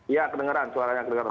iya kedengeran suaranya